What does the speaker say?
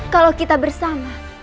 kalau kita bersama